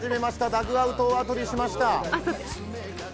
ダグアウトを後にしました。